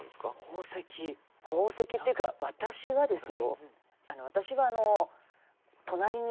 宝石っていうか私はですよ。